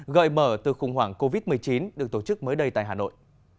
gợi mở từ khủng hoảng covid một mươi chín được tổ chức mới đây tại hà nội